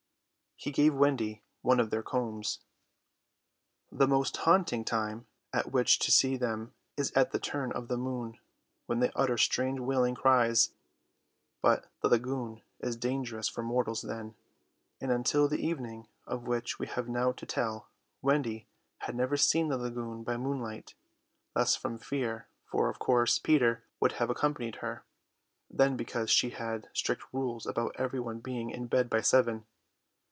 He gave Wendy one of their combs. The most haunting time at which to see them is at the turn of the moon, when they utter strange wailing cries; but the lagoon is dangerous for mortals then, and until the evening of which we have now to tell, Wendy had never seen the lagoon by moonlight, less from fear, for of course Peter would have accompanied her, than because she had strict rules about every one being in bed by seven.